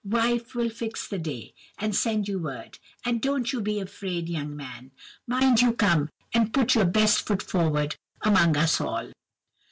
Wife will fix the day, and send you word; and don't you be afraid, young man! Mind you come, and put your best foot forward among us all!